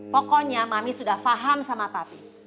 pokoknya mami sudah paham sama papi